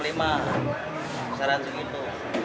nah saran segitu